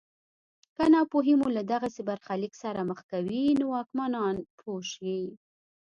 که ناپوهي مو له دغسې برخلیک سره مخ کوي نو واکمنان پوه شي.